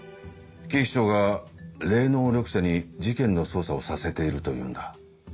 警視庁が霊能力者に事件の捜査をさせているというんだ。